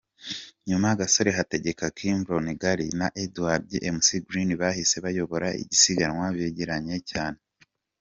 Nyuma Gasore Hategeka, Kibrom Haylay na Edward Mc Greene bahise bayobora isiganwa begeranye cyane.